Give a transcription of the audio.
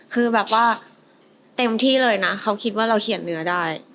คือแบบว่าเต็มที่เลยนะเขาคิดว่าเราเขียนเนื้อได้